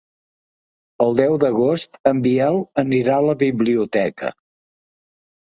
El deu d'agost en Biel anirà a la biblioteca.